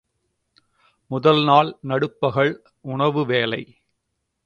முதல் நாள் நடுப்பகல் உணவு வேளை.